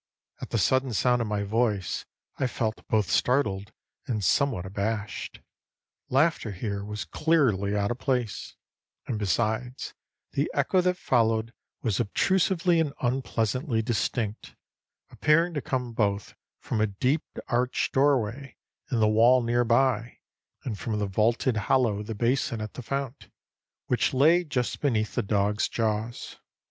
At the sudden sound of my voice I felt both startled and somewhat abashed. Laughter here was clearly out of place; and besides, the echo that followed was obtrusively and unpleasantly distinct, appearing to come both from a deep arched doorway in the wall near by, and from the vaulted hollow of the basin of the fount, which lay just beneath the dog's jaws.